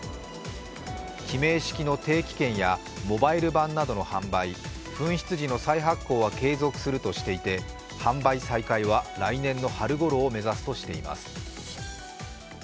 記名式の定期券やモバイル版などの販売、紛失時の再発行などは継続するとしていて販売再開は来年の春ごろを目指すとしています。